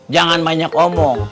jangan banyak omong